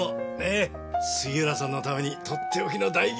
杉浦さんのためにとっておきの大吟醸！